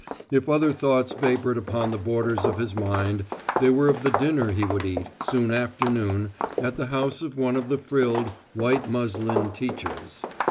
If other thoughts vapoured upon the borders of his mind, they were of the dinner he would eat, soon after noon, at the house of one of the frilled, white muslin teachers.